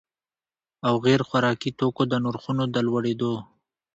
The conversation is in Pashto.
او غیر خوراکي توکو د نرخونو د لوړېدو